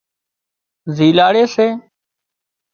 زيلاڙي سي